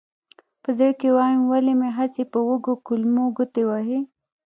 په زړه کې وایم ولې مې هسې په وږو کولمو ګوتې وهې.